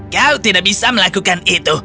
kau tidak bisa melakukan itu